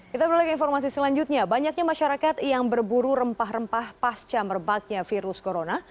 kita berlalu ke informasi selanjutnya banyaknya masyarakat yang berburu rempah rempah pasca merebaknya virus corona